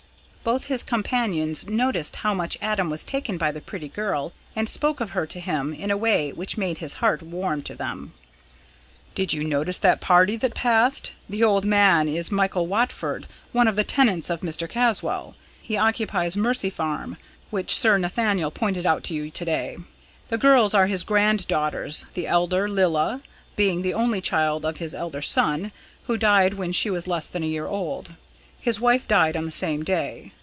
Both his companions noticed how much Adam was taken by the pretty girl, and spoke of her to him in a way which made his heart warm to them. "Did you notice that party that passed? The old man is Michael Watford, one of the tenants of Mr. Caswall. He occupies Mercy Farm, which Sir Nathaniel pointed out to you to day. The girls are his grand daughters, the elder, Lilla, being the only child of his elder son, who died when she was less than a year old. His wife died on the same day.